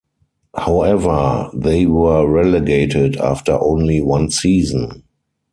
However, they were relegated after only one season.